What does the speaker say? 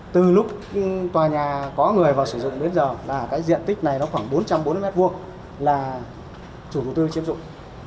từ lúc tòa nhà có người vào sử dụng đến giờ là cái diện tích này nó khoảng bốn trăm bốn mươi m hai là chủ đầu tư chiếm dụng